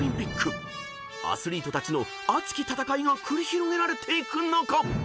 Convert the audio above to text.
［アスリートたちの熱き戦いが繰り広げられていく中